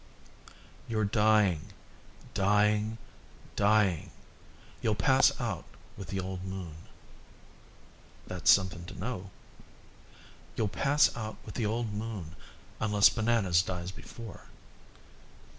"You're dying, dying, dying. You'll pass out with the old moon." "That's something to know." "You'll pass out with the old moon unless Bananas dies before."